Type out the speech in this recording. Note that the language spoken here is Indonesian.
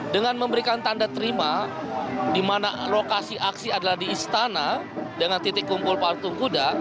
dengan memberikan tanda terima di mana lokasi aksi adalah di istana dengan titik kumpul patung kuda